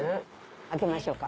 開けましょうか。